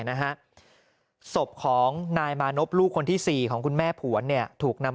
นะฮะศพของนายมานพลูกคนที่สี่ของคุณแม่ผวนเนี่ยถูกนำ